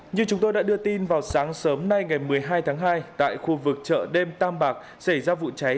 như chúng tôi đã đưa tin vào sáng sớm nay ngày một mươi hai tháng hai tại khu vực chợ đêm tam bạc xảy ra vụ cháy